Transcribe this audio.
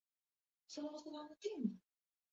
rasilimali zitakazo wawezesha wanapozeeka